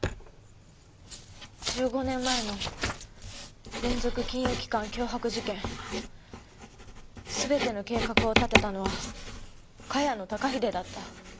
１５年前の連続金融機関脅迫事件全ての計画を立てたのは茅野孝英だった。